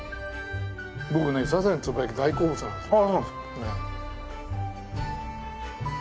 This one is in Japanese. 僕ねサザエのつぼ焼き大好物なんですよ。